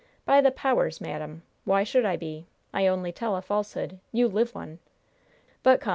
By the powers, madam! why should I be? I only tell a falsehood. You live one! But come.